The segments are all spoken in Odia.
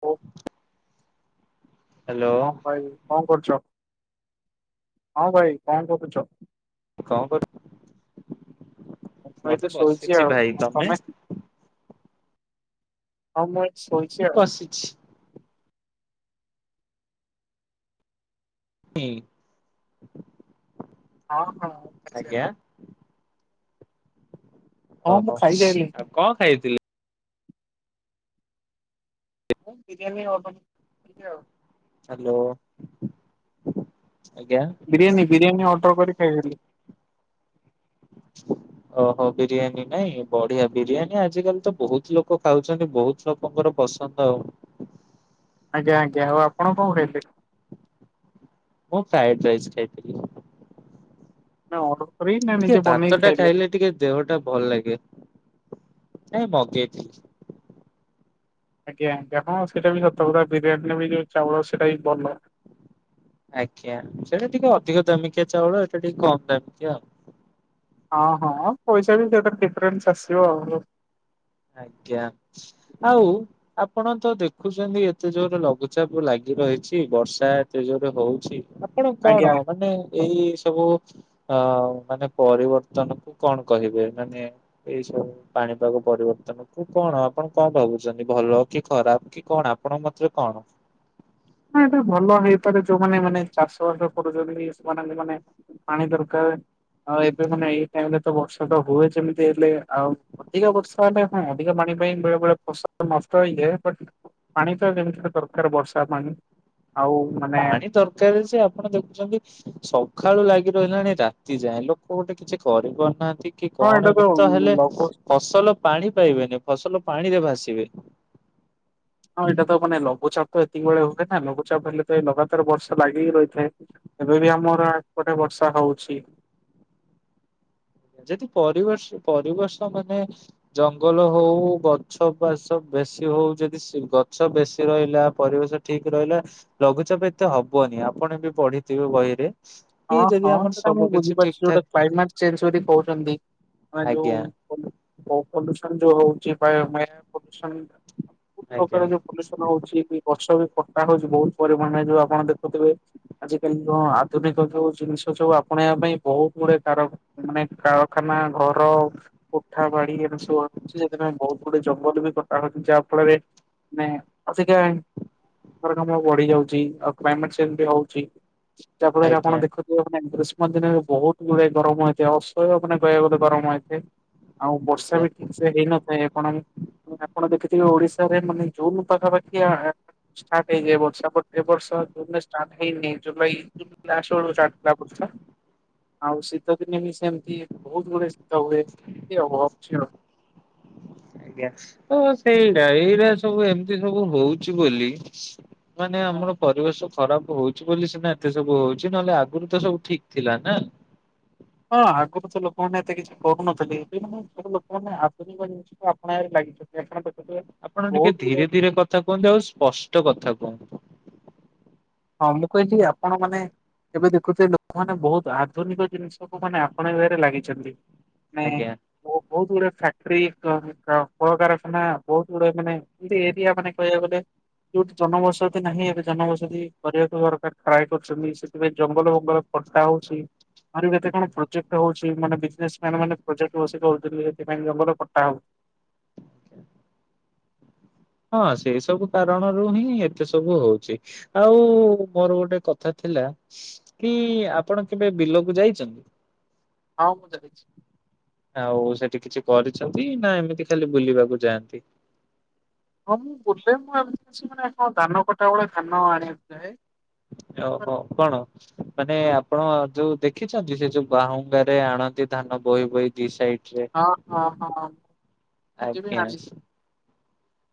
ଓ ହ୍ୟାଲୋ ହଁ ଭାଇ କଣ କରୁଛ? ହଁ ଭାଇ କଣ କରୁଛ? ଙ୍କ କର ମୁଁ ମୁ ଏଇଠି ତ ଶୋଇଛି ବସିଛି ଆଉ। ଭାଇ। ଆଉ ତମେ? ହଉ ମୁଁ ଏଇ ମୁଁ ଶୋଇଛି ଆଉ। ବସିଛି ହୁ ହଁ ହଁ ଖାଇସାରିଲିଣି। ଆଜ୍ଞା। ହଁ ମୁଁ ଓହୋ! ଖାଇସାଇଲିଣି। ଆଉ କଣ ଖାଇଥିଲେ ବିରିୟାନୀ [unintelligible] ଆଉ ହ୍ୟାଲୋ। ଆଜ୍ଞା ବିରିୟାନୀ ବିରିୟାନୀ ଅର୍ଡର କରି ଖାଇଦିଅନ୍ତୁ। [inaudible] ଓହୋ ବିରିୟାନୀ ନାଇଁ ବଢିଆ ବିରିୟାନୀ ଆଜିକାଲି ତ ବହୁତ ଲୋକ ଖାଉଛନ୍ତି। ବହୁତ ଲୋକଙ୍କର ପସନ୍ଦ ଆଉ। ଆଜ୍ଞା ଆଜ୍ଞା। ଆଉ ଆପଣ କଣ ଖାଇଲେ? ମୁଁ ଫ୍ରାଇଡ ରାଇସ ଖାଇଥିଲି। [unintelligible] ନା ଅଡ ଟିକେ ଭାତ ଟା ଖାଇଲେ ଟିକେ ଦେହ ଟା ଭଲ ଲାଗେ। ନାଇଁ ମଗେଇଥିଲ। ଆଜ୍ଞା ଆଜ୍ଞା ହଁ ସେଇଟା ବି ସତ କଥା ବିରିୟାନୀରେ ବି ଯୋଉ ଚାଉଳ ସେଟା ବି ଭଲ। ଆଜ୍ଞା ସେଟା ଟିକେ ଅଧିକ ଦାମିକିଆ ଚାଉଳ। ଏଇଟା ଟିକେ କମ ଦାମିକିଆ ଆଉ। ହଁ ହଁ ପଇସା ବି ଡିଫରେନ୍ସ ଆସିବ। ଆଜ୍ଞା। ଆଉ ଆପଣ ତ ଦେଖୁଛନ୍ତି ଏତେ ଜୋର ଲଘୁଚାପ ଲାଗି ଗି ରହିଁଛି ବର୍ଷା ଏତେ ଜୋରେ ହଉଛି। ଆପଣ କଣ ଆଜ୍ଞା ମାନେ ଏଇ ସବୁ ଅ ମାନେ ପରିବର୍ତ୍ତନ କୁ କଣ କହିବେ? ମାନେ ଏଇ ସବୁ ପାଣିପାଗ ପରିବର୍ତ୍ତନ। କୁ କଣ ଆପଣ କଣ ଭାବୁଛନ୍ତି ଭଲ କି ଖରାପ କି କଣ ଆପଣଙ୍କ ମତରେ କଣ? [inaudible] ହଁ ଏଟା ଭଲ ହେଇପାରେ ଯୋଉମାନେ ମାନେ ଚାଷ ବାସ କରୁଚନ୍ତି ସେମାନଙ୍କୁ ମାନେ ପାଣି ଦରକାର। ଆଉ ଏବେ ମାନେ ଏଇ ଟାଇମ୍ ରେ ତ ବର୍ଷା ତ ହୁଏ, ସେମିତି ହେଲେ। ଆଉ ଅଧିକା ବର୍ଷା ହେଲେ ହଁ ଅଧିକା ପାଣି [unintelligible] ପାଇଁ ବେଳେବେଳେ ଫସଲ ନଷ୍ଟ ହେଇଯାଏ। ବଟ୍ ପାଣି ତ ଯେମିତି ଦରକାର ବର୍ଷା ପାଣି। ଆଉ ମାନେ ପାଣି ଦରକାର ଯେ ଆପଣ ଦେଖୁଚନ୍ତି ସଖାଳୁ ଲାଗି ରହିଲାଣି ରାତି ଯାଏଁ ଲୋକ ଗୋଟେ କିଛି କରି ପାରୁନାହା ଏତିକି ହଁ ଏଇଟା କଣ ଏମିତ ତ ହେଲେ ଲଘୁ ହଁ ଫସଲ ପାଣି ପାଇବେନି। ଫସଲ ପାଣିରେ ଭାସିବେ। ହଁ ଏଇଟା ତ ମାନେ ଲଘୁଚାପ ତ ଏତିକି ବେଳେ ହୁଏ ନା। ଲଘୁଚାପ ହେଲେ ତ ଏଇ ଲଗାତାର ବର୍ଷ ଲାଗିକି ରହିଥାଏ। ଏବେ ବି ଆମର ଏପଟେ ବର୍ଷା ହଉଛି। [inaudible] ଯଦି ପରିବେଶ୍ ପରିବେଶ ମାନେ ଜଙ୍ଗଲ ହଉ ଗଛ ବାସ ବେଶୀ ହଉ ଯଦି ସେ ଗଛ ବେଶୀ ରହିଲା। ପରିବେଶ ଠିକ ରହିଲା। ଲଘୁଚାପ ଏତେ ହବନି। ଏ ଆପଣ ବି ପଢିଥିବେ ବହିରେ? କି ହଁ, ଯଦି ହଁ ଆମର ସେଟା ମୁଁ ସବୁ କିଛି ଠିକ ବୁଝିପାରଛି ଯୋଉଟା ଠାକ କ୍ଲାଇମେଟ୍ ଚେଞ୍ଜ କରି କହୁଚନ୍ତି ମାନେ ଯୋଉ ଆଜ୍ଞା [unintelligible] ଯୋଉ ହଉଚି ପାୟ ମାୟା ପଲୁସନ ଆଜ୍ଞା ଉପରେ ଯୋଉ ପଲୁସନ ହଉଛି କି ବର୍ଷା ବି କଟା ହଉଛି ବହୁତ ପରିମାଣରେ ଯୋଉ ଆପଣ ଦେଖୁଥିବେ ଆଜିକାଲି ଯୋ ଆଧୁନି ତ ଯୋଉ ଜିନିଷ ସବୁ ଆପଣେଇବା ପାଇଁ ବହୁତ ଗୁଡେ କାର ଏ ମାନେ କାରଖାନା, ଘର ଓ କୋଠ ବାଡି ଏମିତି ସବୁ ଅଛି ସେଥିପାଇଁ ବହୁତ ଗୁଡିଏ ଜଙ୍ଗଲ ବି କଟା ହଉଛି। ଯାହା ଫଳରେ ମାନେ [unintelligible] ଘର କାମ ବଢି ଯାଉଚି। ଆଉ କ୍ଲାଇମେଟ୍ ଚେଞ୍ଜ ବି ହଉଛି। ଯାହା ଫଳରେ ଆପଣ ଆଜ୍ଞା ଦେଖୁିଥିବେ ମାନେ ଦୃଶ ମାନେ ଦିନରେ ବହୁତ ଗୁଡେ ଗରମ ହେଇଥାଏ। ଅସହ୍ୟ ମାନେ କହିବାକୁ ଗଲେ ଗରମ ହୋଇଥାଏ। ଆଉ ବର୍ଷା ଆଜ୍ଞା ବି ଠିକ ସେ ହେଇନଥାଏ। ଏ କଣ କି ଆପଣ ଦେଖିଥିବେ ଓଡିଶାରେ ମାନେ ଜୁନୁ ପାଖାପାଖିଆ ଏ ଷ୍ଟାର୍ଟ ହେଇଯାଏ ବର୍ଷା ବଟ୍ ଏ ବର୍ଷ ଜୁନ୍ ରେ ଷ୍ଟାର୍ଟ ହେଇନି। ଜୁଲାଇ ଜୁଲ ଲାଷ୍ଟ ବେଳକୁ ଷ୍ଟାର୍ଟ ହେଲା ବର୍ଷା। ଆଉ ଶୀତ ଦିନେ ବି ସେମ୍ ଇଏ ବହୁତ ଗୁଡେ ଶୀତ ହୁଏ ଏ ଅଛି ଆଉ। ଆଜ୍ଞା ତ ସେଇଟା ଏଇଟା ସବୁ ଏମିତି ସବୁ ହଉଛି ବୋଲି ମାନେ ହଁ ଆମର ପରିବେଶ ଖରାପ ହଉଛି ବୋଲି ସିନା ଏତେ ସବୁ ହଉଛି। ନହେଲେ ଆଗରୁ ତ ସବୁ ଠିକ ଥିଲା ନା। ହଁ ଆଗରୁ ତ ଲୋକମାନେ ଏତେ କିଛି କରୁନଥିଲେ। ଏବେ ମାନେ ଏବେ ଲୋକମାନେ ଆଧୁନିକ ଜିନିଷକୁ ଆପଣାଇବାରେ ଲାଗ [unintelligible] ଆପଣ ଟିକେ ଧୀରେ ଧୀରେ କଥା କୁହନ୍ତୁ। ଆଉ ସ୍ପଷ୍ଟ କଥା କୁହନ୍ତୁ। ହଁ, ମୁଁ କହିଲି ଆପଣ ମାନେ ଏବେ ଦେଖୁଥିବେ ଲୋକମାନେ ବହୁତ ଆଧୁନିକ ଜିନିଷକୁ ମାନେ ଆପଣେଇବାରେ ଲାଗିଛନ୍ତି। ନାଇଁ, ଆଜ୍ଞା ଓ ବହୁତ ଗୁଡେ ଫ୍ୟାକ୍ଟ୍ରି କହ କ-କଳକାରଖାନା ବହୁତ ଗୁଡେ ମାନେ ଏମତି ଏରିଆ ମାନେ କହିବାକୁ ଗଲେ ଯୋଉଠି ଜନବସତି ନାହିଁ। ଏବେ ଜନବସତି କରିବାକୁ ଘରକା ଟ୍ରାଏ କରୁଛନ୍ତି। ସେଥିପାଇଁ ଜଙ୍ଗଲ ବଙ୍ଗଲ ଖଟା ହଉଛି। ଆରି କେତେ କଣ ପ୍ରୋଜେକ୍ଟ ହଉ ସେ ମାନେ ବିଜନେସ୍ ମ୍ୟାନ୍ ମାନେ ପ୍ରୋଜେକ୍ଟ ବସି କହୁଥିଲେ, ସେପାଇଁ ଜଙ୍ଗଲ କଟା ହଉ ହଁ ସେଇ ସବୁ କାରଣରୁ ହିଁ ଏତେ ସବୁ ହଉଛି। ଆଉ ମୋର ଗୋଟେ କଥା ଥିଲା। ଲା, କି ଆପଣ କେବେ ବିଲକୁ ଯାଇଚନ୍ତି? ହଁ, ମୁଁ ଯାଇଛି। ଆଉ ସେଠି କିଛି କରିଛନ୍ତି ନା ଏମିତି ଖାଲି ବୁଲିବାକୁ ଯାଆନ୍ତି? ହଁ ମୁଁ ବୁଲେ। ମୁଁ ଏମିତି କିଛି ମାନେ କଣ ଧାନ କଟା ବେଳେ ଧାନ ଆଣିବାକୁ ଯାଏ। ଓ ହୋ, କଣ ମାନେ ଆ ଆପଣ ଯୋଉ ଦେଖିଛନ୍ତି ସେ ଯୋଉ ବାହୁଙ୍ଗାରେ ଆଣନ୍ତି ଧାନ ବୋହି ବୋହି ଦି ସାଇ ହଁ ହଁ ହଁ। ନିଜେ ବି ଆଣିଛି ଆଜ୍ଞା।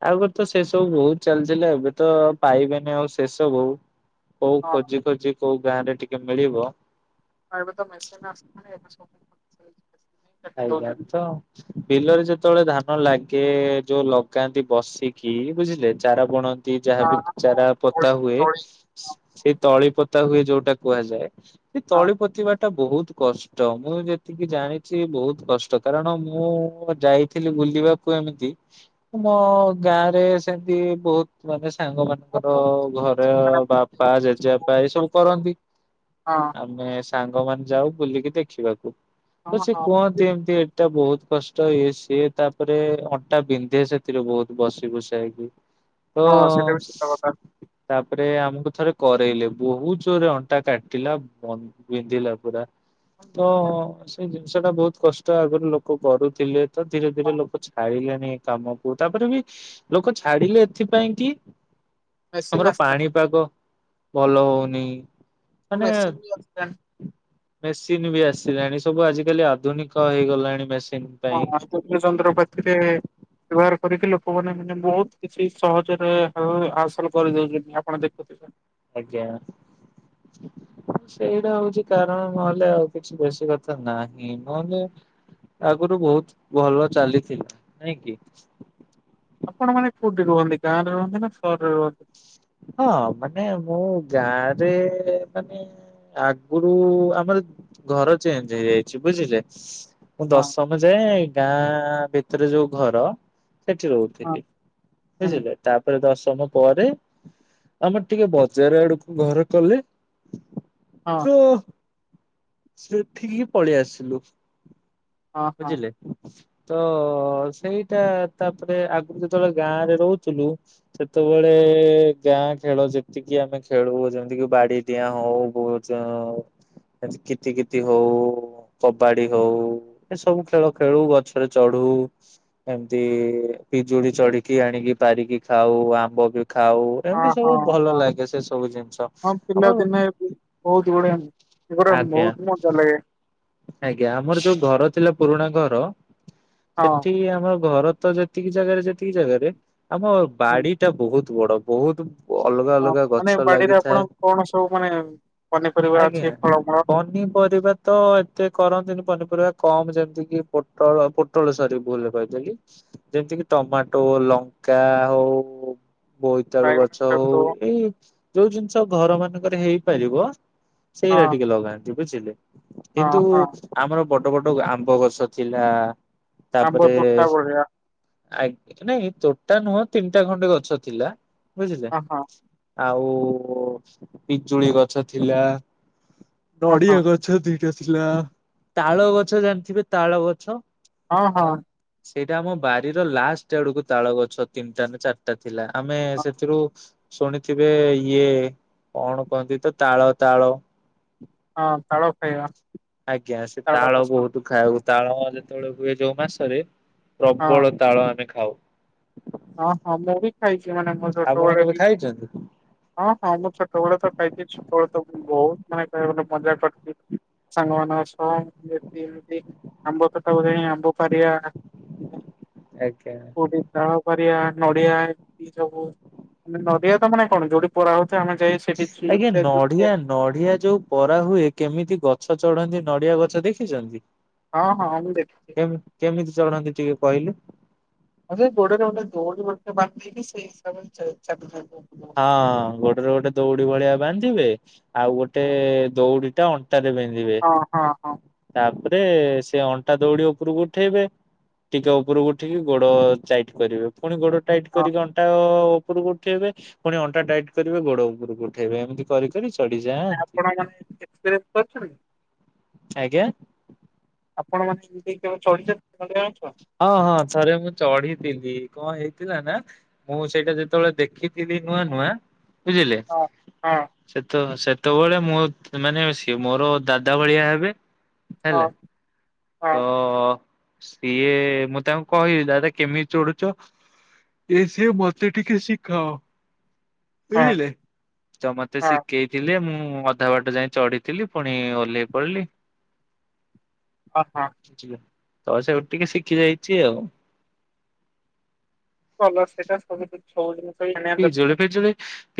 ଆଉ ଗୋଟେ ତ ଶେଷ ତ ବହୁତ ଚାଲିଥିଲା, ଏବେ ତ ପାଇଵାନି ଆଉ ଶେଷବୁ କୋଉ ହଁ ଖୋଜି ଖୋଜି କୋଉ ଗାଁରେ ଟିକେ ମିଳିବ ଆଉ ଏବେ ତ ମେସେନ୍ ଆସିଲାଣି ଏବେ ସବୁ କାଟି ଆଜ୍ଞା ଦଉଛନ୍ତି। ତ ବିଲରେ ଯେତେବେଳେ ଧାନ କ ଲାଗେ ଯୋଉ ଲଗାନ୍ତି ବସିକି ବୁଝିଲେ ଚାରା ବୁଣନ୍ ନ୍ତି ଯାହା ଆ ବି ଚାରା ପୋତା ତଳି ହୁଏ ତଳି ସେଇ ତଳି ପୋତା ହୁଏ ଯୋଉଟା କୁହାଯାଏ। ସେ ହଁ ତଳି ପୋତିବା ଟା ବହୁତ କଷ୍ଟ ମୁଁ ଯେତିକି ଜାଣି ଚି ବହୁତ କଷ୍ଟ କାରଣ ମୁଁ ଯାଇଥିଲି ବୁଲିବାକୁ ଏମିତି ମୋ ଗାଁ ରେ ସେମିତି ବହୁତ ମାନେ ସାଙ୍ଗ ହଁ ମାନଙ୍କର ମୁଁ ଘରେ ଦେଖିଛି ମାନେ ମୁଁ ବାପା ଦେଖିଛି ଜେଜେବାପା ବହୁତ ଏଇସବୁ କଷ୍ଟ କରନ୍ତି। ଆମେ ସାଙ୍ଗମାନେ ଯାଉ ବୁଲିକି ଦେଖିବାକୁ ହଁ ତ ହଁ ସେ ହଁ। କୁହନ୍ତି ଏମତି ଏଟା ବହୁତ କଷ୍ଟ ହୁଏ ସିଏ ତାପରେ ଅଣ୍ଟା ବିନ୍ଧେ ସେଥିରେ ବହୁତ ବସି ବୁସା ହେଇକି। ହଁ ସେଇଟା ବି ସତ କଥା। [unintelligible] ଏ ଆମକୁ ଥରେ କରେଇଲେ ବହୁତ ଜୋରରେ ଅଣ୍ଟା କାଟିଲା ବିନ୍ଧିଲା ପୁରା। ତ ସେଇ ଜିନିଷ ଟା ବହୁତ କଷ୍ଟ ଆଗରୁ ଲୋକ କରୁଥିଲେ। ତ ଧୀରେ ଧୀରେ ଲୋକ ଛାଡ଼ିଲେଣିି କାମକୁ ତାପରେ ବି ଲୋକ ଛାଡିଲେ ଏଥିପାଇଁ କି ମେସିନ୍ ଆମର ଆସିଲାଣି ପାଣିପାଗ ଭଲ ହଉନି। ମାନେ [unintelligible] ମେସିନ ବି ଆସିଲାଣି ସବୁ ଆଜିକାଲି ଆଧୁନିକ ହେଇଗଲାଣି ବେସି। ହଁ ଯନ୍ତ୍ରପାତିରେ କରିକି ଲୋକମାନେ ମାନେ ବହୁତ କିଛି ସହଜରେ ହାସଲ କରିଦଉଛନ୍ତି ଆପଣ ଦେଖୁଥିବେ। ଆଜ୍ଞା। ସେଇଟା ହଉଛି କାରଣ ନହେଲେ ଆଉ କିଛି ବେଶୀ କଥା ନାହିଁ ନହେଲେ ଆଗରୁ ବହୁତ ଭଲ ଚାଲିଥିଲା ନାଇଁ କି? ଆପଣ ମାନେ କୋଉଠି ରୁହନ୍ତି ଗାଁ ରେ ରୁହନ୍ତି ନା ସହରରେ ରୁହନ୍ତି? ହଁ ମାନେ ମୁଁ ଗାଁରେ ମାନେ ଆଗରୁ ଆମର ଘର ଚେଞ୍ଜ ହେଇଯାଇଛି ବୁଝିଲେ। ମୁଁ ହଁ ଦଶମ ଯାଏ ଗାଁ ଭିତରେ ଯୋଉ ଘର ସେଠି ହଁ ରହୁଥିଲି ହୁଁ ବୁଝିଲେ ତାପରେ ଦଶମ ପରେ ଆମର ଟିକେ ବଜାର ଆଡକୁ ଘର କଲେ ସୋ ସେଠିକି ହିଁ ପଳେଇ ଆସିଲୁ। ହଁ ହଁ ହଁ ବୁଝିଲେ। ତ ସେଇଟା ତାପରେ ଆଗରୁ ଯେତେବେଳେ ଗାଁରେ ରହୁଥିଲୁ ସେତେବେଳେ ଗାଁ ଖେଳ ଯେତିକି ଆମେ ଖେଳୁ ଯେମିତିକି ବାଡିଡିଆଁ ହଉ ବୋଚୋ କିତି କିତି ହଉ। କବାଡି ହଉ ଏ ସବୁ ଖେଳ ଖେଳୁ ଗଛରେ ଚଢୁ ଏମିତି ପିଜୁଳି ଚଢିକି ଆଣିକି ପାରିକି ଖାଉ ଆମ୍ବ ବି ଖାଉ ହଁ ଏମିତି ସବୁ ହଁ ଭଲ ହଁ। ଲାଗେ ସେ ସବୁ ଜିନିଷ ହଁ ଆମର ଏଗୁଡ଼ାମ ଆଜ୍ଞା ବହୁତ ମଜା ଲାଗେ। ଆଜ୍ଞା ଆମର ଯୋଉ ଘର ଥିଲା ପୁରୁଣା ଘର ହଁ। ସେଠି ଆମର ଘର ତ ଯେତିକି ଜାଗାରେ ଯେତିକି ଜାଗାରେ ଆମ ହୁଁ। ବାଡି ଟା ବହୁତ ବଡ ବହୁତ ଅଲଗା ହଁ ଅଲଗା ମାନେ ଗଛ ବାଡିରେ ଲାଗିଥାଏ ଆପଣଙ୍କ କଣ ସବୁ ମାନେ ପନିପରିବା ଅଛି ଆଜ୍ଞା ଫଳମୂଳ ଅନି ପରିବା ତ ଏତେ କରନ୍ତିନି ପନିପରିବା କମ ଯେମିତି ପୋଟଳ ପୋଟଳ ସରି ଭୁଲରେ କହିଦେଲି ଯେମତିକି ଟମାଟୋ ଲଙ୍କା ହଉ ବୋଇତାଳୁ ବାଇଗଣ ବି ଗଛ ହଉ ଲାଗୁଥିବ ଏଇ ଯୋଉ ଜିନିଷ ଘର ମାନଙ୍କରେ ହେଇପାରିବ ସେଇରା ହଁ ଟିକେ ଲଗାନ୍ତୁ ବୁଝିଲେ। ହଁ କିନ୍ତୁ ହଁ ଆମର ବଡ ବଡ ବଡ ଆମ୍ବ ଗଛ ଥିଲା ଆମ୍ୱ ତୋଟା ଭଳିଆ। ଆଗ୍ ନାଇଁ, ତୋଟା ନୁହଁ ତିନିଟା ଖଣ୍ଡେ ଗଛ ଥିଲା ବୁଝିଲେ। ହଁ ହଁ ଆଉ ଓ ପିଜୁଳି ଗଛ ଥିଲା, ହଁ ହଁ ନଡ଼ିଆ ଗଛ ଦିଟା ଥିଲା, ତାଳ ଗଛ ଜାଣିଥିବେ, ତାଳ ଗଛ। ହଁ ହଁ। ସେଇଟା ଆମ ବାରିର ଲାଷ୍ଟ ଆଡକୁ ତାଳ ଗଛ ତିନିଟା ନା ଚାରିଟା ଥିଲା। ଆମେ ହଁ ସେଥିରୁ ଶୁଣିଥିବେ ଇଏ କଣ କହନ୍ତି ତ, ତାଳ ତାଳ ହଁ ତାଳ ଖାଇବା। ଆଜ୍ଞା। ସେ ତାଳ ବହୁତ ଖାଉ। ତାଳ ଯେତେବେଳେ ହୁଏ ଯୋଉ ମାସରେ ହଁ। ପ୍ରବଳ ତାଳ ଆମେ ଖାଉ। ହଁ ହଁ ମୁଁ ବି ଖାଇଛି। ମାନେ ମୋ ଆପଣ ଛୋଟବେଳେ କେବେ ବି ଖାଇଛନ୍ତି ହଁ ହଁ ମୁଁ ଛୋଟବେଳେ ତ ଖାଇଛି। ଛୋଟବେଳେ ତ ବହୁତ ମାନେ କହିଆକୁ ଗଲେ ମଜା କରିଛି। ସାଙ୍ଗମାନଙ୍କ ସହ, [unintelligible] ମିଶି ଆମ୍ବତୋଟାକୁ ଯାଇ ଆମ୍ବ ପାରିଆ ଆଜ୍ଞା। କୋଉଠି ତାଳ ନଡିଆ ଏମତି ସବୁ ମାନେ, ନଡିଆ ତ ମାନେ କଣ ଯୋଉଠି ପରା ହଉଛି ଆଜ୍ଞା, ନଢ଼ିଆ ନଢ଼ିଆ ଯୋଉ ପରା ହୁଏ, କେମିତି ଗ ଗଛ ଚଢନ୍ତି, ନଡିଆ ଗଛ ଦେଖିଛନ୍ତି? ହଁ ହଁ, ମୁଁ ଦେଖିଛି। ଚଢ଼ନ୍ତି ଟିକେ କହିଲେ? ଆରେ ଗୋଡରେ ଗୋଟେ ଦଉଡ଼ି ଗୋଟେ ଭଳିଆ ବାନ୍ଧି ଦେଇକି, ସେଇ ହିସାବରେ ଚାଲି ଚାଲିଥାନ୍ତି ଆଉ। ହଁ ଗୋଡ଼ରେ ଗୋଟେ ଦଉଡି ଭଳିଆ ବାନ୍ଧିବେ, ଆଉ ଗୋଟେ ଦଉଡିଟା ଅନ୍ ଅଣ୍ଟାରେ ପିନ୍ଧିବେ। ହଁ ହଁ ତାପରେ ସେ ଅଣ୍ଟା ଦଉଡି ଉପରକୁ ଉଠେଇବେ ଟିକେ ଓପରକୁ ଉଠିକି ଗୋଡ ଚାଇଟ୍ କରିବେ। ପୁଣି ଗୋଡ ଟାଇଟ୍ ହଁ କରିକି, ଅଣ୍ଟା ଓ ଓପରକୁ ଉଠେଇବେ ପୁଣି ଅଣ୍ଟା ଟାଇଟ୍ କରିବେ ଗୋଡ ଉପରକୁ ଉଠେଇବେ, ଏମିତି କରି କରି ସେ ଚଢ଼ିଯାଆନ୍ତି। ଆପଣ ମାନେ ଏକ୍ସପିରିଏନ୍ସ କରିଛନ୍ତି? ଆଜ୍ଞା? ଆପଣ ମାନେ କେହି କେବେ ଚଢ଼ିଛନ୍ତି ନଡ଼ିଆ ଗଛ? ହଁ ହଁ। ଥରେ ମୁଁ ଚଢିଥିଲି। କଣ ହେଇଥିଲା ନା, ମୁଁ ସେଇଟା ଯେତେବେଳେ ଦେଖିଥିଲି ଏଇ ନୂଆ ନୂଆ ବୁଝିଲେ, ହଁ ହଁ ସେ ତ ସେ ସେତେବେଳେ ମୋ ମାନେ ସିଏ ମୋର ଦାଦା ଭଳିଆ ହେବେ ହଁ ହେଲା, ତ ହଁ କିଏ, ମୁଁ ତାଙ୍କୁ କହିଲି ଦାଦା କେମିତି ଚଢୁଛ? ଯେ ସିଏ ମୋତେ ଟିକେ ଶିଖାଅ? ହଁ ବୁଝିଲେ, ତ ମତେ ହଁ ଶିଖେଇଥିଲେ ମୁଁ ମୁଁ ଅଧା ବାଟ ଯାଇଁ ଚଢିଥିଲି, ପୁଣି ଓହ୍ଲେଇ ପଡିଲି ହ ହଁ। ବୁଝିଲେ ତ ସେଇଟୁ ଟିକେ ଶିଖି ଯାଇଛି ଆଉ। କଲ ସେଇଟା ସବୁଠୁ ସବୁଦିନ ପିଜୁଳି ଫିଜୁଳି।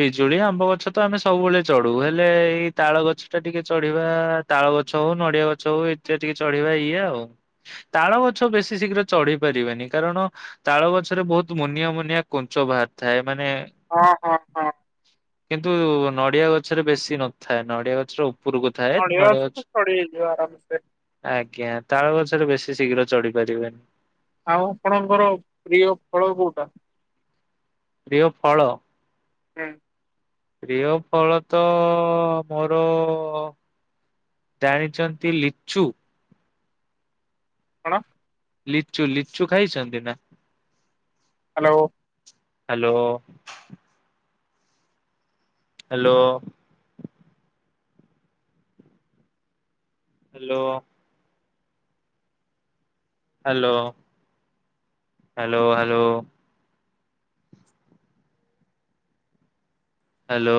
ପିଜୁଳି ଆମ୍ବ ଗଛ ତ ଆମେ ସବୁବେଳେ ଚଢୁ, ହେଲେ ଏଇ ତାଳ ଗଛ ଟା ଟିକେ ଚଢିବା, ତାଳ ଗଛ ହଉ, ନଡିଆ ଗଛ ହଉ, ଏଥିରେ ଟିକେ ଚଢିବା ଇଏ ଆଉ। ତାଳ ଗଛ ବେଶୀ ଶୀଘ୍ର ଚଢି ପାରିବେନି, କାରଣ ତାଳ ଗଛରେ ବହୁତ ମୁନିଆ ମୁନିଆ କୁଞ୍ଚ ବାହାରିଥାଏ। ହଁ-ହଁ-ହଁ। କିନ୍ତୁ ନଡିଆ ଗଛରେ ବେଶୀ ନଥାଏ। ନଡିଆ ଗଛର ଉ ପୁରୁକୁ ଥାଏ ନଡିଆ ନଡ଼ିଆ ତ ଗଛ। ଚଢି ହେଇଯିବ ଆରାମସେ। ଆଜ୍ଞା। ତଳ ଗଛରେ ବେଶୀ ଯେ ଶୀଘ୍ର ଚଢି ପାରିବେ। ଆଉ ଆପଣଙ୍କର ପ୍ରିୟ ଫଳ କୋଉଟା? ପ୍ରିୟ ଫଳ? ଆଁ ପ୍ରିୟ ଫଳ ତ ମୋର। ଜାଣିଚନ୍ତି ଲିଚୁ? କଣ? ଲିଚୁ ଲିଚୁ ଖାଇଛନ୍ତି ନା? Hello. Hello. Hello. Hello. Hello hello hello. Hello.